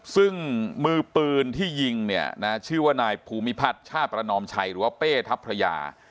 ซึ่งมือปืนที่ยิงเนี่ยนะชื่อว่านายภูมิพัฒน์ชาติประนอมชัยหรือว่าเป้ทัพพระยา